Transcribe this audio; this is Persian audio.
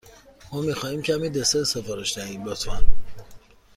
ما می خواهیم کمی دسر سفارش دهیم، لطفا.